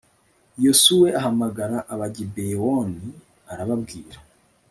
yozuwe ahamagara abagibewoni, arababwira